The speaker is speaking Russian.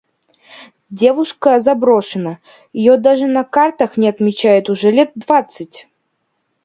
Деревушка заброшена. Ее даже на картах не отмечают уже лет двадцать.